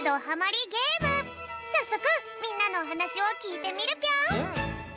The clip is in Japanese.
さっそくみんなのおはなしをきいてみるぴょん！